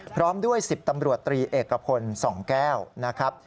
พร้อมด้วย๑๐ตำรวจตรีเอกพลส่องแก้วนะครับ